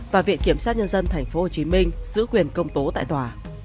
và viện kiểm sát nhân dân tp hcm giữ quyền công tố tại tòa